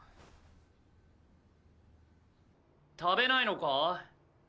食べないのか？